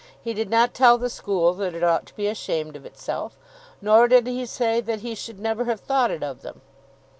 He did not tell the school that it ought to be ashamed of itself. Nor did he say that he should never have thought it of them.